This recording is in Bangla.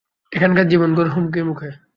এখানকার জীবনগুলোও হুমকির মুখে!